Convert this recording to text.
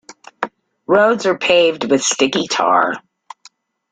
Roads are paved with sticky tar.